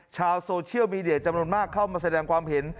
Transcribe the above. ชาวโซเชียลมีเดียจำนวนมากเข้ามาแสดงความเห็น